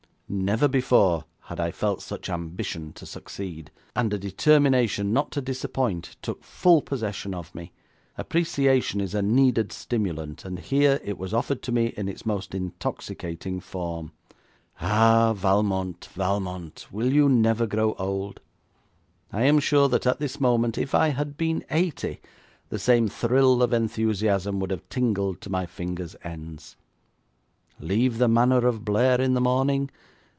Never before had I felt such ambition to succeed, and a determination not to disappoint took full possession of me. Appreciation is a needed stimulant, and here it was offered to me in its most intoxicating form. Ah, Valmont, Valmont, will you never grow old! I am sure that at this moment, if I had been eighty, the same thrill of enthusiasm would have tingled to my fingers' ends. Leave the Manor of Blair in the morning?